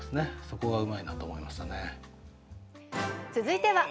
そこがうまいなと思いましたね。